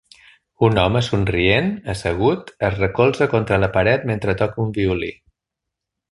Un home somrient, assegut, es recolza contra la paret mentre toca un violí.